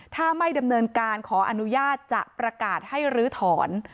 ถ้าไม่ดำเนินการขออนุญาตจะประกาศให้รื้อถอน